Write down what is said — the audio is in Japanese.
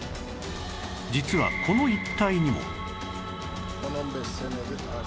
実はこの一帯にも